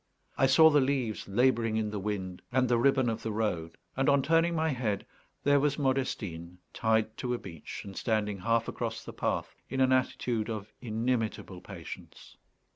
I saw the leaves labouring in the wind and the ribbon of the road; and, on turning my head, there was Modestine tied to a beech, and standing half across the path in an attitude of inimitable patience.